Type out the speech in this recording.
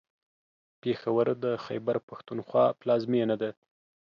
پېښور د خیبر پښتونخوا پلازمېنه ده.